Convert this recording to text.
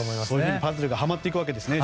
パズルがはまっていくんですね。